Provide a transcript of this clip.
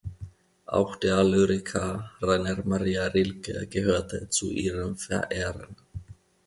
Auch der Lyriker Rainer Maria Rilke gehörte zu ihren Verehrern.